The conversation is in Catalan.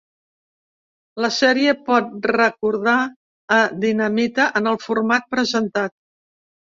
La sèrie pot recordar a Dinamita, en el format presentat.